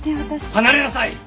離れなさい！